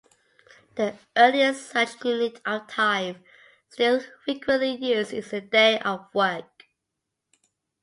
The earliest such unit of time, still frequently used, is the day of work.